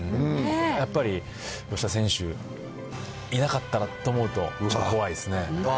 やっぱり、吉田選手いなかったらと思うと、ちょっと怖いですね。